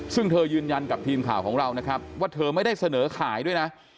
ซึ่งเธอยืนยันกับทีมข่าวของเรานะครับว่าเธอไม่ได้เสนอขายด้วยนะ